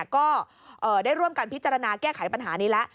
ก็ได้ร่วมกันพิจารณาแก้ไขปัญหานี้แล้ว